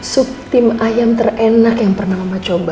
sup tim ayam terenak yang pernah mama coba